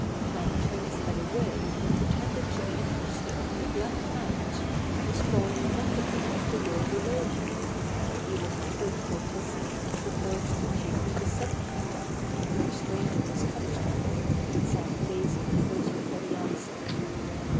Pan turned his head away and pretended to be interested in a black ant that was crawling rapidly up the wall below him; he was a truthful pussy and preferred to change the subject. The stranger was comfortable and sat lazily waiting for the answer.